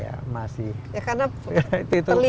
ya karena terlihat ya